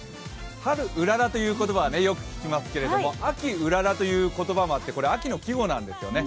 春うららという言葉は、よく聞きますけど秋うららという言葉もあって、これは秋の季語なんですね。